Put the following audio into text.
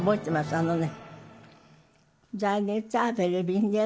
あのね。